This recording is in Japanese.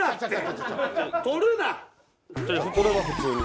これは普通に。